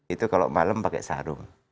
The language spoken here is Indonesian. itu kalau malam pakai sarung